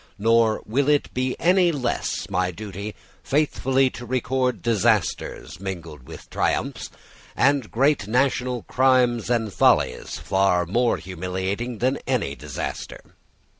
Nor will it be less my duty faithfully to record disasters mingled with triumphs, and great national crimes and follies far more humiliating than any disaster.